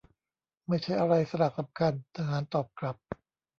ไม่ใช่อะไรสลักสำคัญ. ทหารตอบกลับ